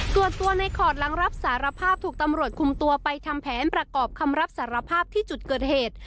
ตัวในขอดหลังรับสารภาพถูกตำรวจคุมตัวไปทำแผนประกอบคำรับสารภาพที่จุดเกิดเหตุ